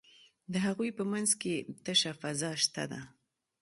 د هغوی په منځ کې تشه فضا شته ده.